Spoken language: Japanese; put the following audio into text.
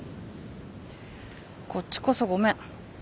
こっちこそごめん。